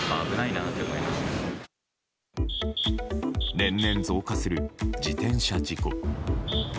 年々増加する自転車事故。